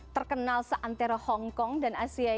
terkenal seantera hongkong dan asia